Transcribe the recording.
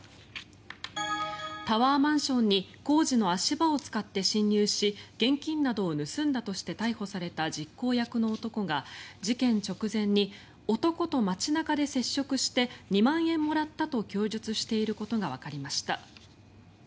タワーマンションに工事の足場を使って侵入し現金などを盗んだとして逮捕された実行役の男が事件直前に男と街中で接触して２万円もらったと供述していることがわかりました。